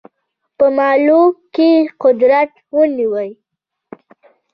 په مالوه کې قدرت ونیوی.